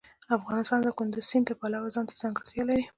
افغانستان د کندز سیند له پلوه ځانته ځانګړتیا لري.